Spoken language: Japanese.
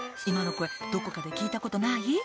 今の声どこかで聞いたことない？